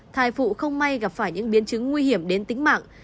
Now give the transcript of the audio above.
thai phụ không may gặp phải những biến chứng nguy hiểm đến tính mạng